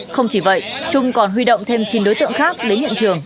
không chỉ vậy trung còn huy động thêm chín đối tượng khác đến hiện trường